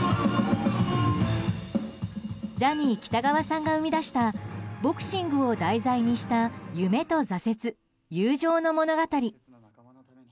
ジャニー喜多川さんが生み出したボクシングを題材にした夢と挫折、友情の物語。